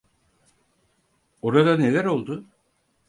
Orada neler oldu?